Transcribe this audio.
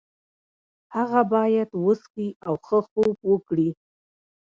هغه باید وڅښي او ښه خوب وکړي.